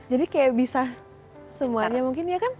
jadi kayak bisa semuanya mungkin ya kan